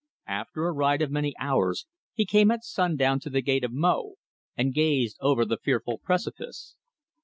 After a ride of many hours, he came at sundown to the Gate of Mo, and gazed over the fearful precipice.